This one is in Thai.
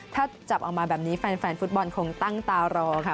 ถ้าจับออกมาแบบนี้แฟนฟุตบอลคงตั้งตารอค่ะ